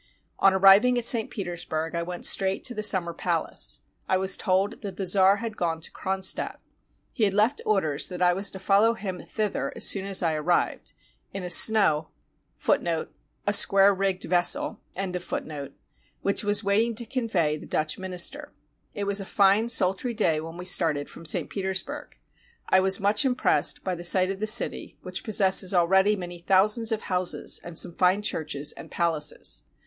On arriving at St. Petersburg I went straight to the Summer Palace. I was told that the czar had gone to Cronstadt. He had left orders that I was to follow him thither as soon as I arrived, in a snow ^ which was wait ing to convey the Dutch minister. It was a fine, sultry day when we started from St. Petersburg. I was much impressed by the sight of the city, which possesses al ready many thousands of houses and some fine churches and palaces.